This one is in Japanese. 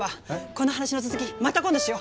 この話の続きまた今度しよ。